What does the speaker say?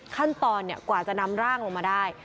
ขั้นตอนกว่าจะนำร่างลงมาได้